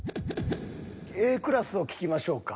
Ａクラスを聞きましょうか。